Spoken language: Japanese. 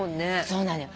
そうなのよ。